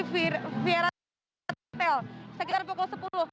viara hotel sekitar pukul sepuluh